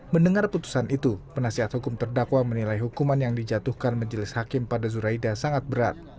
mendengar putusan itu penasihat hukum terdakwa menilai hukuman yang dijatuhkan majelis hakim pada zuraida sangat berat